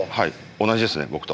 同じですね僕と。